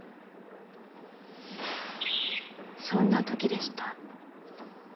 そんな時でした。